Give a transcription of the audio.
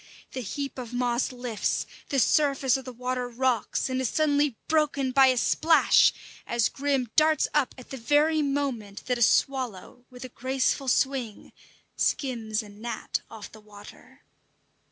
The heap of moss lifts, the surface of the water rocks and is suddenly broken by a splash as Grim darts up at the very moment that a swallow, with a graceful swing, skims a gnat off the water.